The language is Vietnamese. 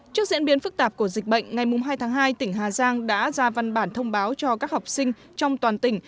trước diễn biến phức tạp của dịch bệnh ngày hai tháng hai tỉnh hà giang đã ra văn bản thông báo cho các học sinh trong toàn tỉnh